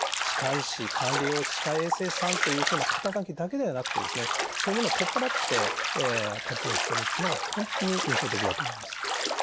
歯科医師管理栄養士歯科衛生士さんというふうな肩書きだけではなくてですねそういうものを取っ払って活動してるっていうのが本当に印象的だと思います。